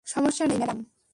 সমস্যা নেই, ম্যাডাম।